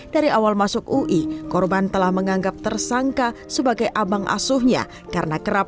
dari awal masuk ui korban telah menganggap tersangka sebagai abang asuhnya karena kerap